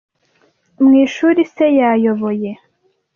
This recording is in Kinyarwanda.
Mu ishuri se yayoboye,